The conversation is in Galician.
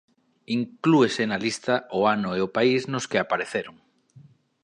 Inclúese na lista o ano e o país nos que apareceron.